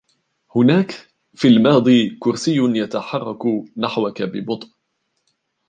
هناك ؟.... في الماضي كرسي يتحرك نحوك ببطء.